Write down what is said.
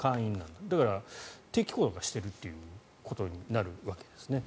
だから、定期購読はしているということになるわけですね。